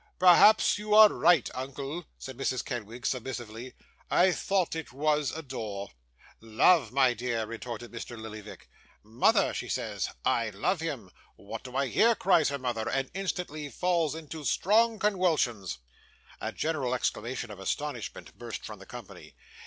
'Perhaps you are right, uncle,' replied Mrs. Kenwigs, submissively. 'I thought it was "adore."' '"Love," my dear,' retorted Mr. Lillyvick. '"Mother," she says, "I love him!" "What do I hear?" cries her mother; and instantly falls into strong conwulsions.' A general exclamation of astonishment burst from the company.